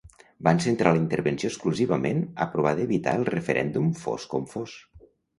Van centrar la intervenció exclusivament a provar d’evitar el referèndum fos com fos.